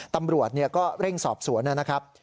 ตำรวจก็เร่งสอบสวนนะครับ